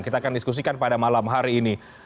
kita akan diskusikan pada malam hari ini